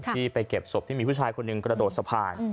ที่ไปเก็บศพที่มีผู้ชายคนหนึ่งกระโดดสะพาน